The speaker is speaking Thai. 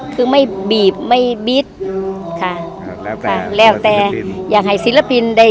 คือไม่บีบไม่บี๊ดค่ะแล้วแต่แล้วแต่อย่างให้ศิลปินได้อ่า